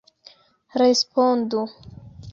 Respondu.